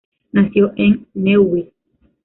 Nació en Neuwied.